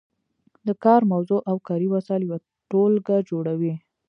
د کار موضوع او کاري وسایل یوه ټولګه جوړوي.